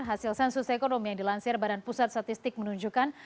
hasil sensus ekonomi yang dilansir badan pusat statistik menunjukkan